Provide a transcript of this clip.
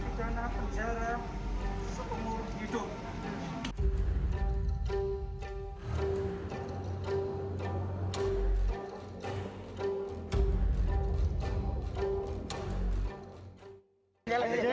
kita anak penjara seumur hidup